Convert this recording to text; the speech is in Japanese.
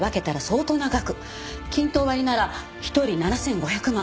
均等割りなら１人７５００万。